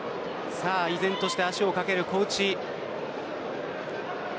依然として足をかける小内。